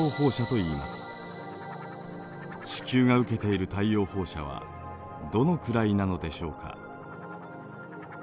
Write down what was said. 地球が受けている太陽放射はどのくらいなのでしょうか。